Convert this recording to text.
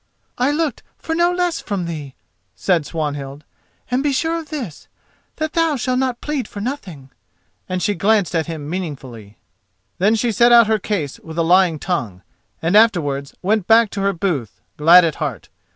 "I looked for no less from thee," said Swanhild, "and be sure of this, that thou shalt not plead for nothing," and she glanced at him meaningly. Then she set out her case with a lying tongue, and afterwards went back to her booth, glad at heart.